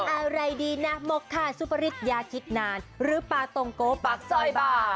อะไรดีนะมกค่ะซุปริศยาคิดนานหรือปลาตรงโกปากซอยบ่า